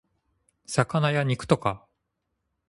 魚や肉とか